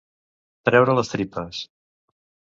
Treure les tripes.